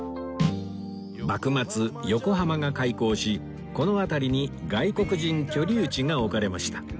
幕末横浜が開港しこの辺りに外国人居留地が置かれました